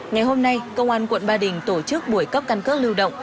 ngày hôm nay công an quận ba đình tổ chức buổi cấp căn cước lưu động